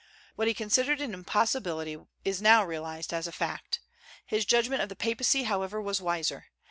What he considered an impossibility is now realized as a fact. His judgment of the papacy however was wiser.